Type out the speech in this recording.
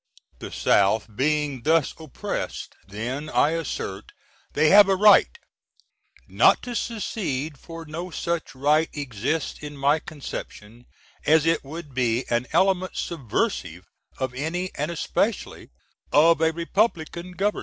The South being thus oppressed then I assert they have a right (not to secede, for no such right exists in my conception, as it would be an element subversive of any, & especially of a Repub^ln gov.